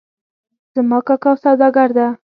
زما کاکا سوداګر ده